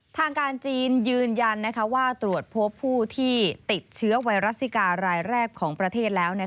ทางการจีนยืนยันว่าตรวจพบผู้ที่ติดเชื้อไวรัสซิการายแรกของประเทศแล้ว